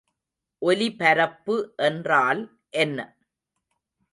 ஒலிபரப்பு என்றால் என்ன?